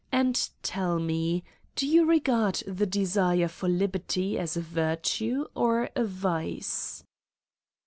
... And tell me: do you regard the desire for liberty as a virtue or a vice?"